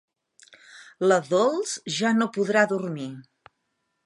La Dols ja no podrà dormir.